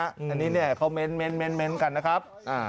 อันนี้เนี่ยเขาเม้นกันนะครับ